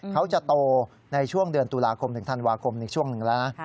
เขาจะโตในช่วงเดือนตุลาคมถึงธันวาคมในช่วงหนึ่งแล้วนะ